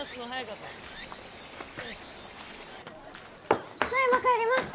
ただいま帰りました！